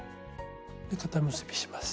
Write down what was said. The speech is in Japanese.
固結びします。